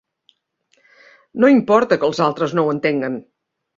No importa que els altres no ho entenguen.